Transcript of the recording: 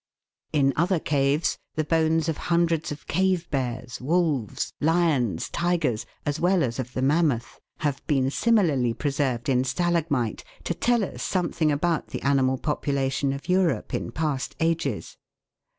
In other caves, the bones of hundreds of cave bears, wolves, lions, tigers, as well as of the mammoth, have been 262 THE WORLD'S LUMBER ROOM. similarly preserved in stalagmite to tell us something about the animal population of Europe in past ages.